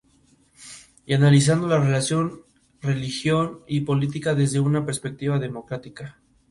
Y analizando la relación religión y política desde una perspectiva democrática.